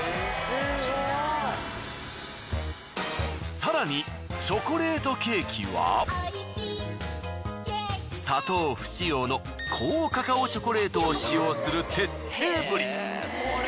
更にチョコレートケーキは砂糖不使用の高カカオチョコレートを使用する徹底ぶり。